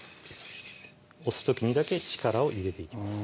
押す時にだけ力を入れていきます